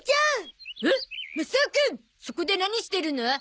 そこで何してるの？